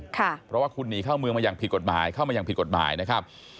เพราะว่าคุณหนีเข้าเมืองมาอย่างผิดกฎหมายเข้ามาอย่างผิดกฎหมายนะครับ